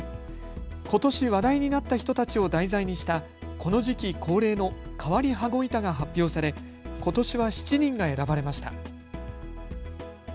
ことし話題になった人たちを題材にしたこの時期恒例の変わり羽子板が発表されことしは７人が選ばれました。